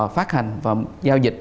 phát hành và giao dịch